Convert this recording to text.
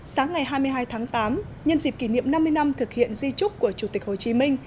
sáng ngày hai mươi hai tháng tám nhân dịp kỷ niệm năm mươi năm thực hiện di trúc của chủ tịch hồ chí minh